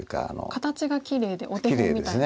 形がきれいでお手本みたいな手ですよね。